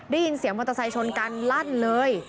ได้ยินเสียงมอเตอร์ไซค์ชนกันลั่นเลย